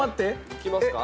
いきますか？